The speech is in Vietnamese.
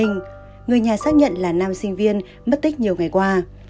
người nhà xác nhận là nam sinh viên mất tích nhiều ngày qua